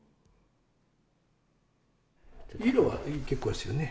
色は大変結構ですよね。